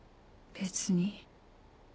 別に。